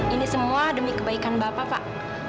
ini semua demi kebaikan bapak pak